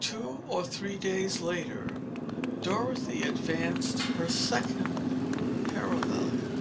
Two or three days later Dorothy advanced her second parallel.